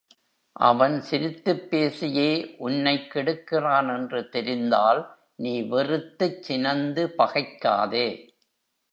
அவன் சிரித்துப் பேசியே உன்னைக் கெடுக்கிறான் என்று தெரிந்தால், நீ வெறுத்துச் சினந்து பகைக்காதே.